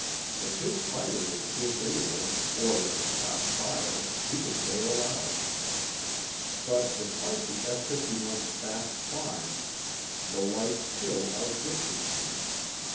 If his fighter was disabled, or if it caught fire, he could bail out. But despite the F 51's fast climb, the light still outdistanced him.